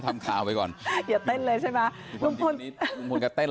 มันจริงจริงกล่องสารน้องกล่องแกง